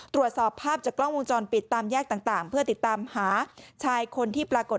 ตรวจสอบภาพจากกล้องวงจรปิดตามแยกต่างเพื่อติดตามหาชายคนที่ปรากฏ